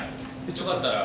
よかったら。